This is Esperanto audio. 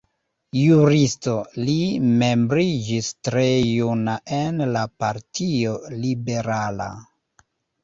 Juristo, li membriĝis tre juna en la Partio Liberala.